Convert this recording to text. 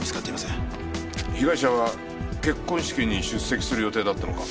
被害者は結婚式に出席する予定だったのか？